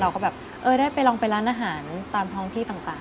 เราก็แบบเออได้ไปลองไปร้านอาหารตามท้องที่ต่าง